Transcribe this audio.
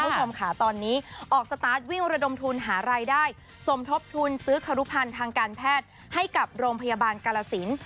คุณผู้ชมค่ะตอนนี้ออกสตาร์ทวิ่งระดมทุนหารายได้สมทบทุนซื้อครุพันธ์ทางการแพทย์ให้กับโรงพยาบาลกาลสิน